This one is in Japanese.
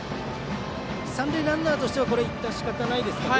三塁ランナーとしては１点はしかたないですか。